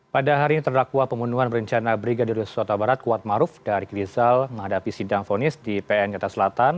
pada hari ini terdakwa pembunuhan berencana brigadir yosua tabarat kuat maruf dari rizal menghadapi sidang fonis di pn jakarta selatan